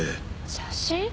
写真？